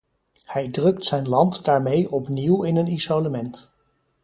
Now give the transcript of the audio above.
Hij drukt zijn land daarmee opnieuw in een isolement.